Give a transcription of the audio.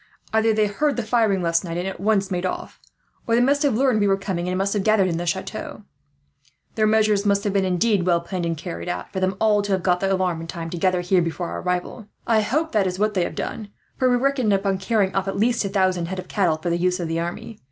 Either they heard the firing last night, and at once made off; or they must have learned we were coming, and must have gathered in the chateau. Their measures must have been indeed well planned and carried out, for them all to have got the alarm in time to gather here before our arrival. "I hope that is what they have done, for we reckoned upon carrying off at least a thousand head of cattle, for the use of the army.